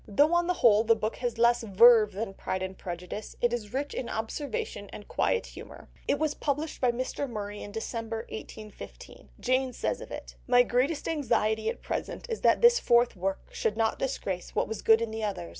Though on the whole the book has less verve than Pride and Prejudice, it is rich in observation and quiet humour. It was published by Mr. Murray in December 1815. Jane says of it— "My greatest anxiety at present is that this fourth work should not disgrace what was good in the others.